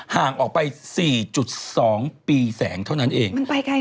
ห่างออกไป๔๒ปีแสงเท่านั้นเอง